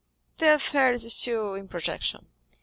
"The affair is still in projection."